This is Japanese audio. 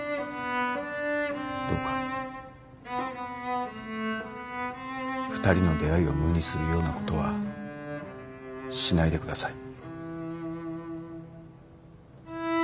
どうか２人の出会いを無にするようなことはしないで下さい。